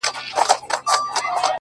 ټوله شپه خوبونه وي’